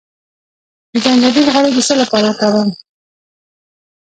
د زنجبیل غوړي د څه لپاره وکاروم؟